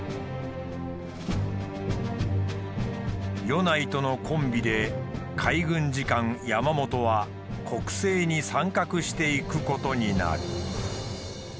米内とのコンビで海軍次官山本は国政に参画していくことになる。